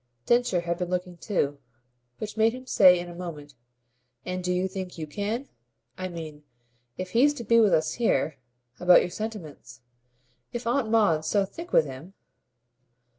Densher had been looking too; which made him say in a moment: "And do you think YOU can? I mean, if he's to be with us here, about your sentiments. If Aunt Maud's so thick with him